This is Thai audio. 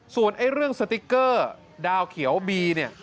ส่วนเรื่องสติ๊กเกอร์ดาวเขียวบี